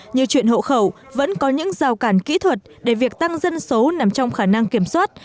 nhiều chuyện hộ khẩu vẫn có những rào cản kỹ thuật để việc tăng dân số nằm trong khả năng kiểm soát